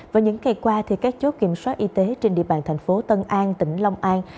và những ngày qua các chỗ kiểm soát y tế trên địa bàn tp tân an tỉnh long an